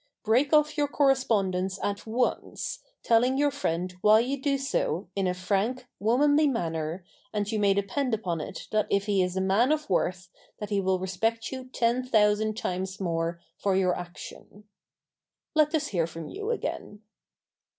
Break off your correspondence at once, telling your friend why you do so in a frank, womanly manner, and you may depend upon it that if he is a man of worth that he will respect you ten thousand times more for your action. Let us hear from you again.